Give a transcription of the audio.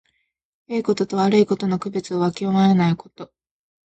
よいことと悪いことの区別をわきまえないこと。